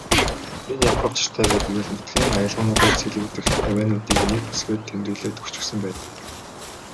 Энэ ямар учиртай вэ гэвэл нутгийн аялгуунуудад сэлгэгдэх авиануудыг нэг үсгээр тэмдэглээд өгчихсөн байдаг.